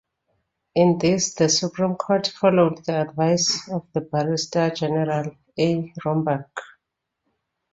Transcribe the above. In this the Supreme Court followed the advice of the barrister-general A. Rombach.